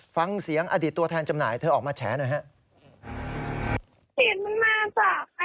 ฟังเสียงอดีตตัวแทนจำหน่ายเธอออกมาแฉว่าหน่อยครับ